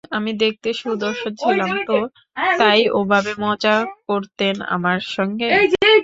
আমি দেখতে সুদর্শন ছিলাম তো, তাই ওভাবে মজা করতেন আমার সঙ্গে।